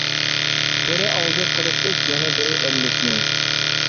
بىرى ئالدى قىرىق ئۈچ. يەنە بىرى ئەللىكنى.